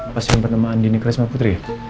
pasien pertama andini karisma putri